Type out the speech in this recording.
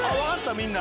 みんな。